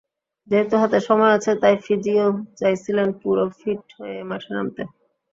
যেহেতু হাতে সময় আছে, তাই ফিজিও চাইছিলেন পুরো ফিট হয়েই মাঠে নামতে।